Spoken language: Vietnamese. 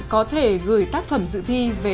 có thể gửi tác phẩm dự thi về